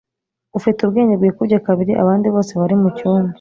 Ufite ubwenge bwikubye kabiri abandi bose bari mucyumba